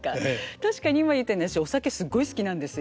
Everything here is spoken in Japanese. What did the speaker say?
確かに今言ったように私お酒すごい好きなんですよ。